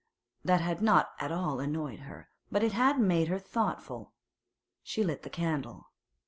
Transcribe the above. That had not at all annoyed her, but it had made her thoughtful. She lit the candle.